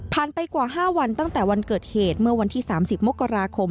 ไปกว่า๕วันตั้งแต่วันเกิดเหตุเมื่อวันที่๓๐มกราคม